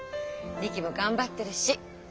リキも頑張ってるし。